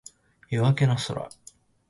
夜明けの空